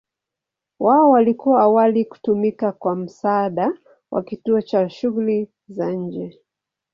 Wao walikuwa awali kutumika kwa msaada wa kituo cha shughuli za nje.